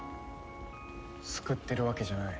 救ってるわけじゃない。